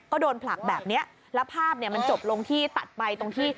ก็โดนผลักแบบนี้แล้วภาพเนี่ยมันจบลงที่ตัดไปตรงที่